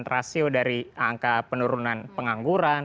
rasio dari angka penurunan pengangguran